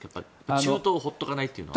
中東を放っておかないというのは。